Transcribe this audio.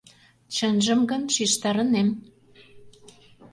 Чынжым гын, шижтарынем.